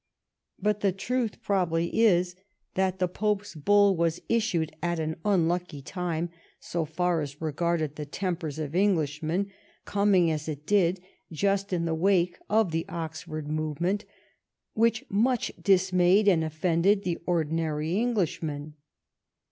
But the truth probably is that the Pope's Bull 148 THE STORY OF GLADSTONE'S LIFE was issued at an unlucky time so far as regarded the tempers of Englishmen, coming as it did just in the wake of the Oxford Movement, which much dismayed and offended the ordinary Englishman.